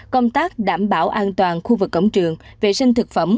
công tác đảm bảo an toàn khu vực cổng trường vệ sinh thực phẩm